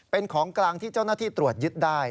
เป็นของกลางที่เจ้าหน้าที่ตรวจยึดได้